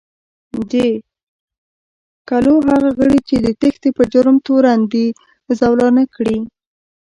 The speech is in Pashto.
د کلو هغه غړي چې د تېښتې په جرم تورن دي، زولانه کړي